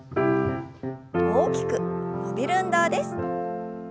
大きく伸びる運動です。